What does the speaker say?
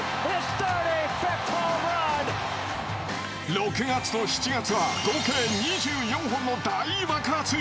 ６月と７月は合計２４本の大爆発！